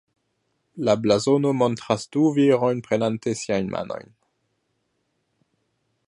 La blazono montras du virojn prenante siajn manojn.